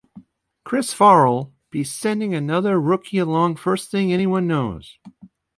Chris Farrel'll be sending another rookie along first thing anyone knows.